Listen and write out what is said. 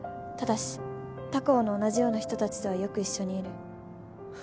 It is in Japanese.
ただし他校の同じような人たちとはよく一緒にいる